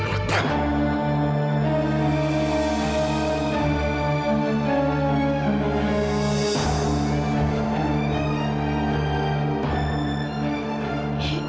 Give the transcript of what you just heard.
bukan anak bapak